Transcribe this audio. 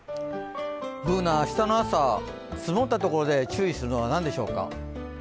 Ｂｏｏｎａ、明日の朝、積もったところで注意するのは何でしょうか。